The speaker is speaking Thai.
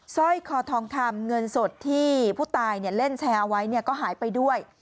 สร้อยคอทองคำเงินสดที่ผู้ตายเล่นแชร์เอาไว้ก็หายไปด้วย